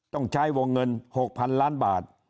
ต้องใช้วงเงิน๖๐๐๐ล้านบาท